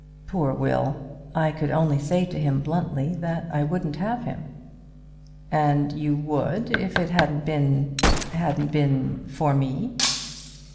Poor Will! I could only say to him bluntly that I wouldn't have him." "And you would, if it hadn't been, hadn't been for me."